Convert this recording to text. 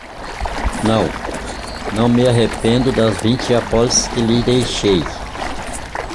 Não, não me arrependo das vinte apólices que lhe deixei.